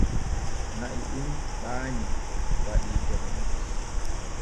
Na'i ɗim ɓaanyi waɗii keme ɗiɗi.